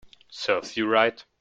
Serves you right